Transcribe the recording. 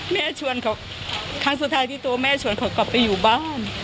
แม่ชวนเขาครั้งสุดท้ายที่ตัวแม่ชวนเขากลับไปอยู่บ้าน